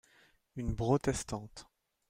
Une brotestante.